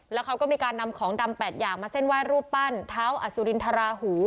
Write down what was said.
แล้วเขาก็มีการนำของดำ๘อย่างมาเส้นไหว้รูปปั้นเท้าอสุรินทราหู